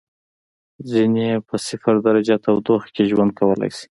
ځینې یې په صفر درجه تودوخې کې ژوند کولای شي.